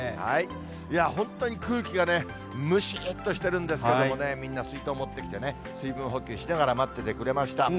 本当に空気がね、蒸しっとしてるんですけれどもね、みんな水筒持ってきてね、水分補給しながら待っててくれました。